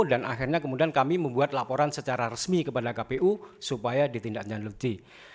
dan akhirnya kemudian kami membuat laporan secara resmi kepada kpu supaya ditindakkan luci